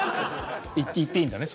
言っていいんだね